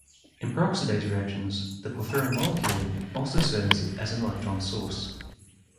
In peroxidase reactions, the porphyrin molecule also serves as an electron source.